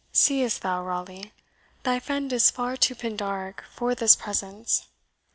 Seest thou, Raleigh, thy friend is far too Pindaric for this presence.